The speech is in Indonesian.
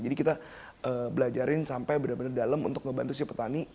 jadi kita belajarin sampai benar benar dalam untuk ngebantu si petani